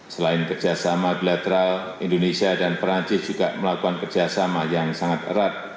selain kerjasama bilateral indonesia dan perancis juga melakukan kerjasama yang sangat erat